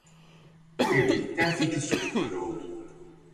Bu evlilikten sekiz çocukları oldu.